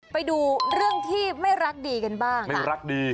ไปดูเรื่องที่ไม่รักดีกันบ้างไม่รักดี